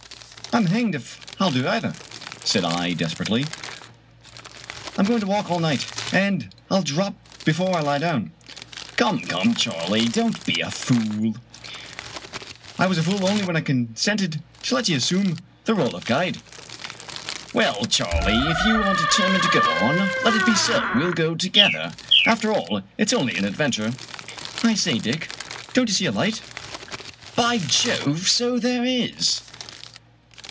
" I'm hanged if I'll do either !" said I desperately. " I'm going to walk all night, and I'll drop before I lie down." " Come, come, Charley, don't be a fool 1 "" I was a fool only when I consented to let you assume the role of guide." "Well, Charley, if you are determined to go on, let it be so. We'll go together. After all, it's only an adven ture." " I say, Dick, don't you see a light? "" By Jove, so there is